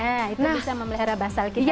nah itu bisa memelihara basel kita ya